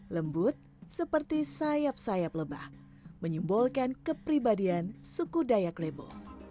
lembut seperti sayap sayap lebah menyimbolkan kepribadian suku dayak lebo